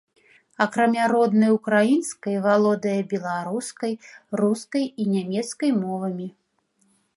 Акрамя роднай украінскай, валодае беларускай, рускай і нямецкай мовамі.